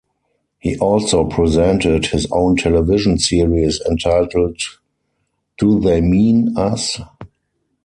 He also presented his own television series entitled Do They Mean Us?